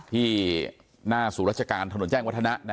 ที่หน้าศูนย์ราชการถนนแจ้งวัฒนะ